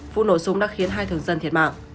vụ nổ súng đã khiến hai thường dân thiệt mạng